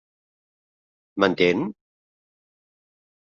M'entén?